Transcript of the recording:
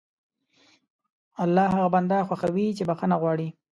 الله هغه بنده خوښوي چې بښنه غواړي.